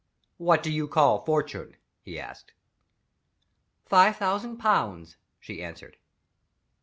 "What do you call a fortune?" he asked. "Five thousand pounds," she answered.